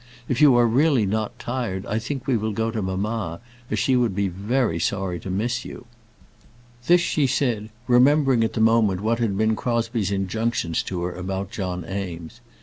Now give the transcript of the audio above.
If you really are not tired, I think we will go to mamma, as she would be very sorry to miss you." This she said, remembering at the moment what had been Crosbie's injunctions to her about John Eames.